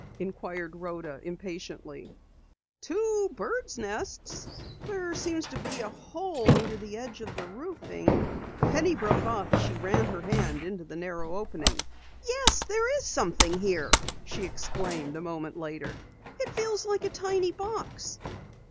inquired Rhoda impatiently. "Two birds' nests. There seems to be a hole under the edge of the roofing " Penny broke off as she ran her hand into the narrow opening. "Yes, there is something here!" she exclaimed a moment later. "It feels like a tiny box!"